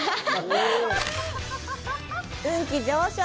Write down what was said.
運気上昇！